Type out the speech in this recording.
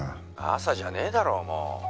「朝じゃねえだろもう」